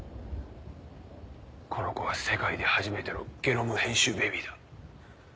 この子は世界で初めてのゲノム編集ベビーだ。